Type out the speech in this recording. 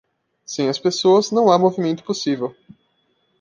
Sem as pessoas, não há movimento possível.